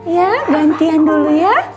ya gantian dulu ya